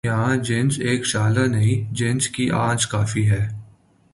یہاں جنس اک شعلہ نہیں، جنس کی آنچ کافی ہے